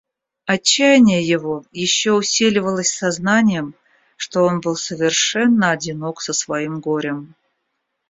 Отчаяние его еще усиливалось сознанием, что он был совершенно одинок со своим горем.